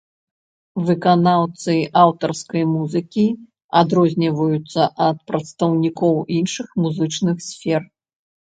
Выканаўцы аўтарскай музыкі адрозніваюцца ад прадстаўнікоў іншых музычных сфер.